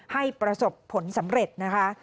ให้ประสบผลสำเร็จนะคะ